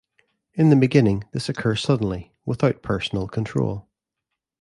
In the beginning, this occurs suddenly, without personal control.